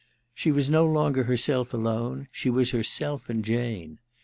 She was no longer herself alone : she was herself and Jane.